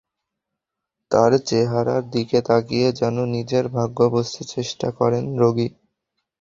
তাঁর চেহারার দিকে তাকিয়ে যেন নিজের ভাগ্য বুঝতে চেষ্টা করেন রোগী।